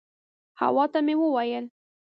حوا ته مې وویل.